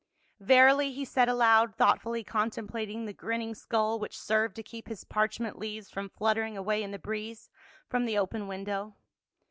" Verily," he said aloud, thoughtfully contemplating the grinning skull which served to keep his parchment leaves from fluttering away in the breeze from the open window.